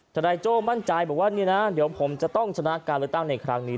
ทนายโจ้มั่นใจบอกว่านี่นะเดี๋ยวผมจะต้องชนะการเลือกตั้งในครั้งนี้